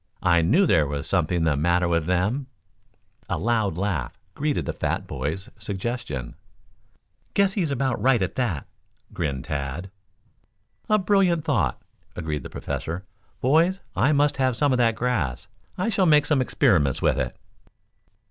I knew there was something the matter with them." A loud laugh greeted the fat boy's suggestion. "Guess he's about right, at that," grinned Tad. "A brilliant thought," agreed the Professor. "Boys, I must have some of that grass. I shall make some experiments with it."